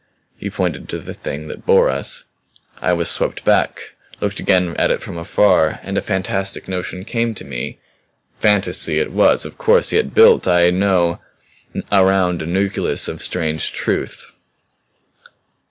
He pointed to the Thing that bore us. "I was swept back; looked again upon it from afar. And a fantastic notion came to me fantasy it was, of course, yet built I know around a nucleus of strange truth.